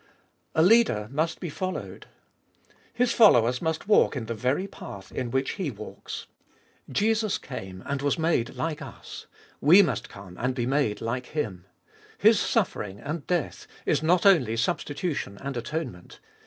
A leader must be followed. — His followers must walk in the very path in which he walks. Jesus came and was made like us : we must come and be made like Him. His suffering and death is not only substitution and atonement.